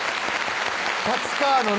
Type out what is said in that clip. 立川のね